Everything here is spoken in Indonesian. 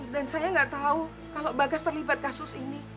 dan saya enggak tahu kalau bagas terlibat kasus ini